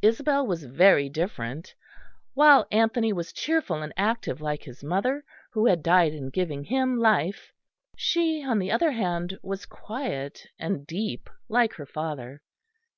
Isabel was very different. While Anthony was cheerful and active like his mother who had died in giving him life, she, on the other hand, was quiet and deep like her father.